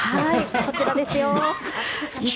こちらですよ。